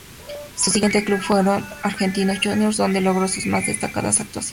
Su siguiente club fue Argentinos Juniors, donde logró sus más destacadas actuaciones.